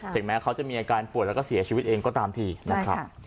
ถึงแม้เขาจะมีอาการป่วยแล้วก็เสียชีวิตเองก็ตามทีนะครับ